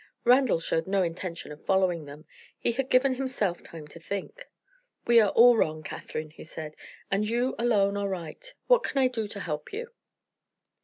Randal showed no intention of following them; he had given himself time to think. "We are all wrong, Catherine," he said; "and you alone are right. What can I do to help you?"